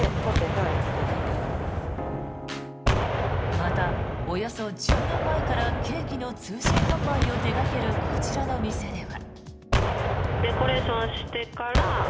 またおよそ１０年前からケーキの通信販売を手掛けるこちらの店では。